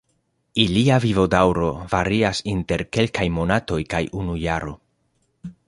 Ilia vivodaŭro varias inter kelkaj monatoj kaj unu jaro.